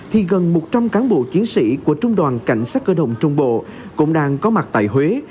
thì gần một trăm linh cán bộ chiến sĩ của trung đoàn cảnh sát cơ động trung bộ cũng đang có mặt tại huế